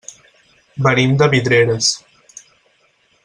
Venim de Vidreres.